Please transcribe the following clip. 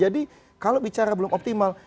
jadi kalau bicara belum optimal